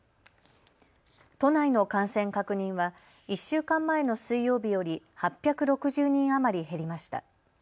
都内の感染確認は１週間前の水曜日より８６０人余り減りました。